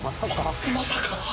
まさか！